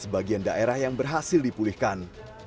sebagian daerah yang berhasil dipulihkan